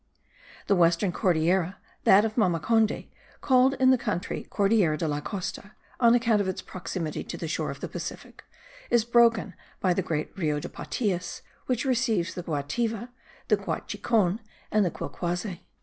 The western Cordillera, that of Mamacondy, called in the country Cordillera de la Costa, on account of its proximity to the shore of the Pacific, is broken by the great Rio de Patias, which receives the Guativa, the Guachicon and the Quilquase.